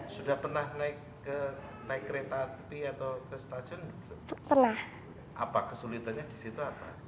sudah pernah naik ke naik kereta tapi atau ke stasiun pernah apa kesulitanya disitu